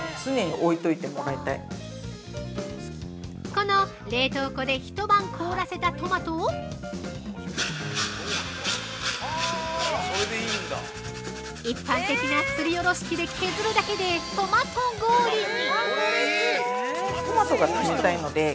◆この冷凍庫で一晩凍らせたトマトを一般的なすりおろし器で削るだけでトマト氷に！